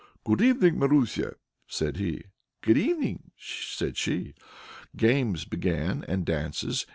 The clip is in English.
"Good evening, Marusia!" said he. "Good evening!" said she. Games began and dances.